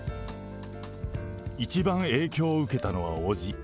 一番影響を受けたのは伯父。